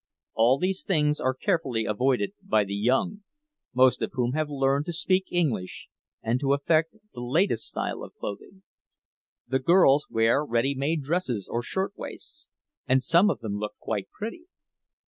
All these things are carefully avoided by the young, most of whom have learned to speak English and to affect the latest style of clothing. The girls wear ready made dresses or shirt waists, and some of them look quite pretty.